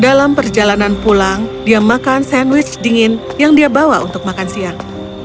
dalam perjalanan pulang dia makan sandwich dingin yang dia bawa untuk makan siang